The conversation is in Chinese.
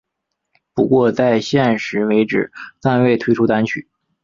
不过在现时为止暂未推出单曲。